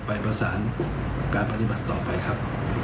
ไปประสานการปฏิบัติต่อไปครับ